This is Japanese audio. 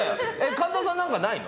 神田さん、何かないの？